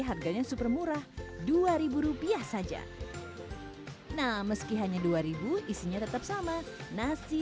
harganya super murah dua ribu rupiah saja nah meski hanya dua ribu isinya tetap sama nasi